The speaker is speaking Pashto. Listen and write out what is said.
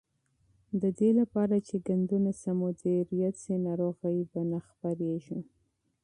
د دې لپاره چې کثافات سم مدیریت شي، ناروغۍ به خپرې نه شي.